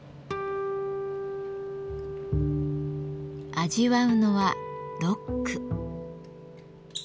味わうのはロック。